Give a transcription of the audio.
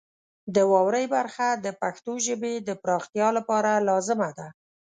د واورئ برخه د پښتو ژبې د پراختیا لپاره لازمه ده.